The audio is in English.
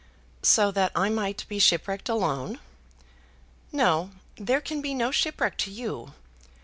"So that I might be shipwrecked alone!" "No; there can be no shipwreck to you.